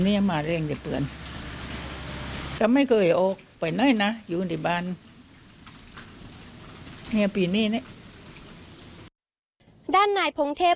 นี่เนี่ยปีนี้